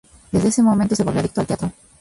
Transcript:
Desde ese momento se volvió adicto al teatro.